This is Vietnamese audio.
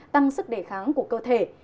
tăng sức đề kháng của cơ thể